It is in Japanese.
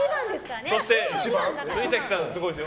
藤崎さん、すごいですよ。